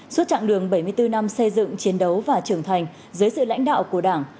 suốt chặng đường bảy mươi bốn năm xây dựng chiến đấu và trưởng thành dưới sự lãnh đạo của đảng